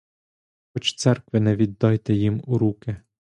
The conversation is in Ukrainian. Хоч церкви не віддайте їм у руки!